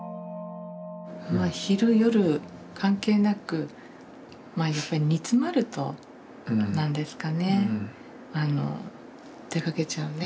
昼夜関係なくまあ煮詰まるとなんですかねあの出かけちゃうね